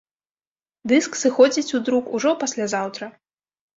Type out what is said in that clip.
Дыск сыходзіць у друк ужо паслязаўтра!